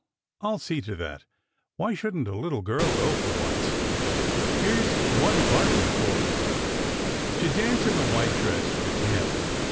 I ll see to that. Why shouldn t a little girl go for once? Here is one partner for her." To dance in the white dress, with him